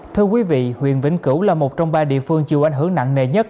thưa quý vị huyện vĩnh cửu là một trong ba địa phương chịu ảnh hưởng nặng nề nhất